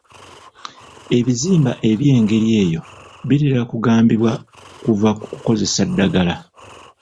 Ebizimba eby'engeri eyo bitera kugambibwa kuva ku kukozesa ddagala